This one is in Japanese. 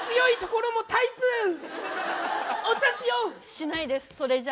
しないですそれじゃあ。